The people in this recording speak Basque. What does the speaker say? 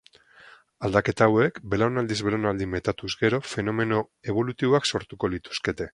Aldaketa hauek, belaunaldiz belaunaldi metatuz gero, fenomeno ebolutiboak sortuko lituzkete.